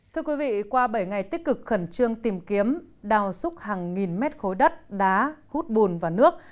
thưa quý vị qua bảy ngày tích cực khẩn trương tìm kiếm đào xúc hàng nghìn mét khối đất đá hút bùn và nước